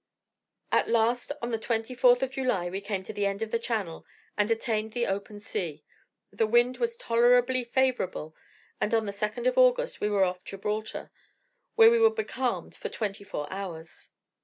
At last, on the 24th of July, we came to the end of the Channel, and attained the open sea; the wind was tolerably favourable, and on the 2nd of August we were off Gibraltar, where we were becalmed for twenty four hours.